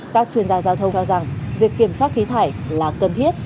các chuyên gia giao thông cho rằng việc kiểm soát khí thải là cần thiết